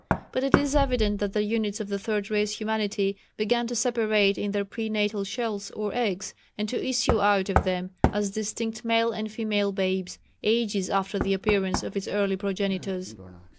But it is evident that the units of the Third Race humanity began to separate in their pre natal shells, or eggs, and to issue out of them as distinct male and female babes, ages after the appearance of its early progenitors.